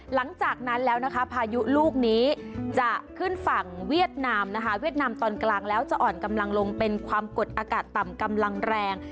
หลังจากนั้นแล้วนะคะพายุลูกนี้จะขึ้นฝั่งเวียดนามนะคะเวียดนามตอนกลางแล้วจะอ่อนกำลังลงเป็นความกดอากาศต่ำกำลังแรง